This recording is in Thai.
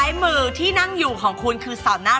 แล้วคุณพูดกับอันนี้ก็ไม่รู้นะผมว่ามันความเป็นส่วนตัวซึ่งกัน